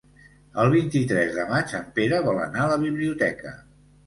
El vint-i-tres de maig en Pere vol anar a la biblioteca.